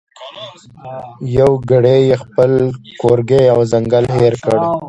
یو ګړی یې خپل کورګی او ځنګل هېر کړ